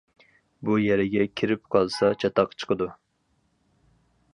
بۇ يەرگە كىرىپ قالسا چاتاق چىقىدۇ.